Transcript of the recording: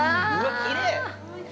◆きれい。